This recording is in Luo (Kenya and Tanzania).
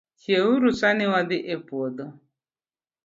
Chiew uru sani wadhii e puodho